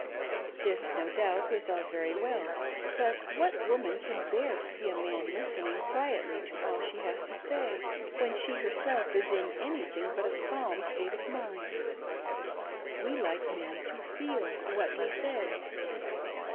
This no doubt was all very well, but what woman can bear to see a man listening quietly to all she has to say, when she herself is in anything but a calm state of mind .' We like men to fee I what we say.